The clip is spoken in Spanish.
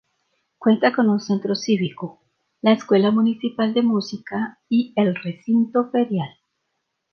Cuenta con un centro cívico, la Escuela Municipal de Música y el recinto ferial.